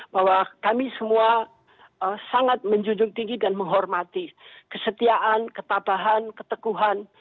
bahwa kami semua sangat menjunjung tinggi dan menghormati kesetiaan ketabahan keteguhan